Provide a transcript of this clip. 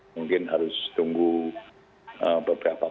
mungkin harus tunggu beberapa